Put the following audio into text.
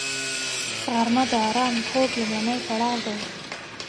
غرمه د آرام خوب لومړنی پړاو دی